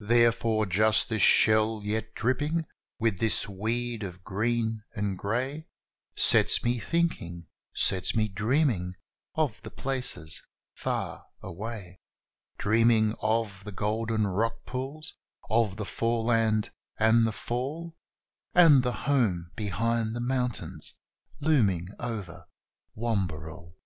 Therefore, just this shell yet dripping, with this weed of green and grey, Sets me thinking sets me dreaming of the places far away; Dreaming of the golden rockpools of the foreland and the fall; And the home behind the mountains looming over Wamberal.